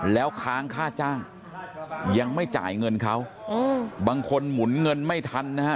แล้วค้างค่าจ้างยังไม่จ่ายเงินเขาบางคนหมุนเงินไม่ทันนะฮะ